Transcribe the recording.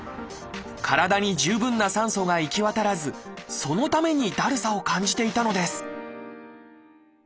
体に十分な酸素が行き渡らずそのためにだるさを感じていたのです